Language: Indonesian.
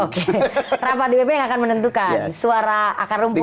oke rapat dpp yang akan menentukan suara akar rumput